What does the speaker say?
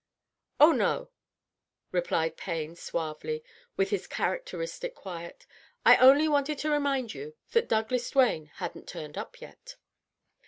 '*" Oh, no,'* replied Payne suavely, with his characteristic quiet. " I only wanted to remind you that Douglas Duane hadn't turned up yet."